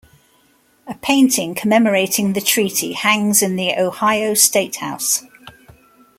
A painting commemorating the treaty hangs in the Ohio Statehouse.